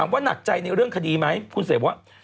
ว่าหนักใจในเรื่องคดีไหมคุณเสพว่า